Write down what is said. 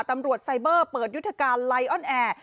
ตำรวจไซเบอร์เปิดยุทธการไลออนแอร์